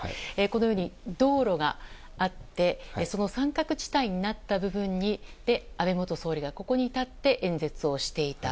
このように道路があってその三角地帯になった部分で安倍元総理が立って演説していた。